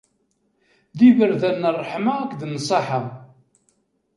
D iberdan n ṛṛeḥma akked nnṣaḥa.